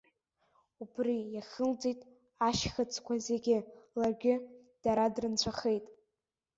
Убри иахылҵит ашьхыцқәа зегьы, ларгьы дара дрынцәахеит.